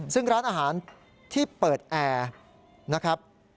ซึ่งร้านอาหารที่เปิดแอร์นะครับ